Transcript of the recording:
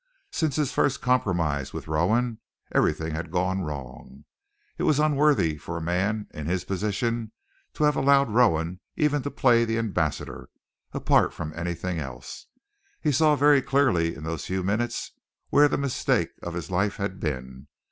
Since his first compromise with Rowan, everything had gone wrong. It was unworthy for a man in his position to have allowed Rowan even to play the ambassador, apart from anything else. He saw very clearly in those few minutes where the mistake of his life had been.